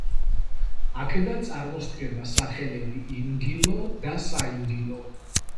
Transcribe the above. აქედან წარმოსდგება სახელები „ინგილო“ და „საინგილო“.